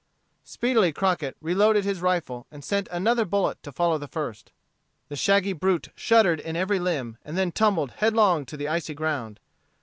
Speedily Crockett reloaded his rifle, and sent another bullet to follow the first. The shaggy brute shuddered in every limb, and then tumbled head long to the icy ground.